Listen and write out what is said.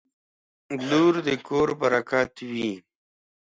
• لور د کور برکت وي.